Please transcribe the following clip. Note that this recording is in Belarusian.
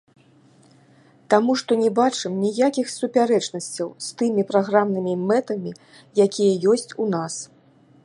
Таму што не бачым ніякіх супярэчнасцяў з тымі праграмнымі мэтамі, якія ёсць у нас.